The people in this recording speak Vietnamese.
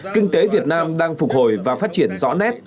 kinh tế việt nam đang phục hồi và phát triển rõ nét